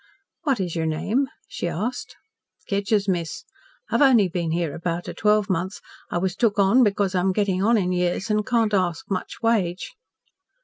"What is your name?" she asked "Kedgers, miss. I've only been here about a twelve month. I was took on because I'm getting on in years an' can't ask much wage."